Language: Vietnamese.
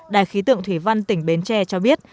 đài khí tượng thủy văn tỉnh bến tre cho biết